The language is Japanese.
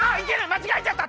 まちがえちゃった！